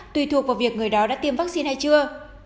tùy thuộc vào việc người đó đã tiêm vaccine hay chưa